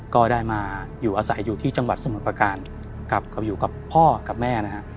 ก็ได้มาอยู่อาศัยที่จังหวัดสมุทรประการกับพ่อกับแม่